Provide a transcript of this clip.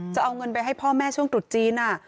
จะเอาเงินไปให้พ่อแม่ช่วงตรุษจีน